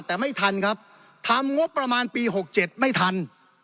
แต่ไม่ทันครับทำงบประมาณปี๖๗ไม่ทัน